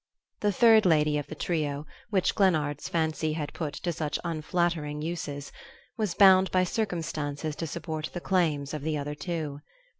The third lady of the trio which Glennard's fancy had put to such unflattering uses, was bound by circumstances to support the claims of the other two.